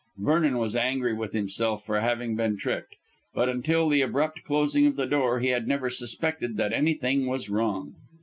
Vernon was angry with himself for having been tricked. But until the abrupt closing of the door he had never suspected that anything was wrong.